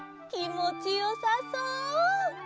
きもちよさそう。